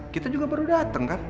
kita juga baru datang kan